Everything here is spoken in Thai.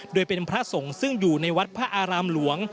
โดยเป็นพระสงฆ์ซึ่งอยู่ในวัดพระอารามหลวง